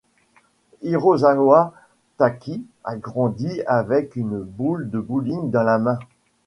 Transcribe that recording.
Hirosawa Taki a grandi avec une boule de bowling dans la main.